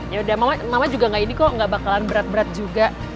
yaudah mama juga enggak ini kok enggak bakalan berat berat juga